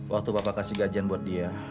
waktu bapak kasih gajian buat dia